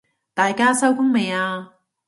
大家收工未啊？